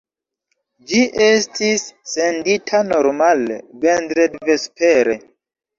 Ĝi estis sendita normale vendredvespere.